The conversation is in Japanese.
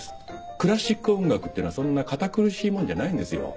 クラシック音楽ってのはそんな堅苦しいもんじゃないんですよ。